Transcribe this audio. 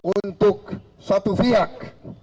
untuk satu pihak